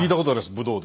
武道で。